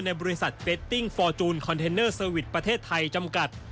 บริษัทเฟตติ้งฟอร์จูนคอนเทนเนอร์เซอร์วิสประเทศไทยจำกัด